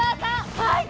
はい！